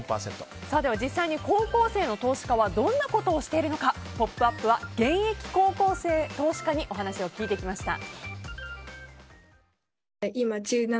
実際に高校生の投資家はどんなことをしているのか「ポップＵＰ！」は現役高校生投資家にお話を聞いてきました。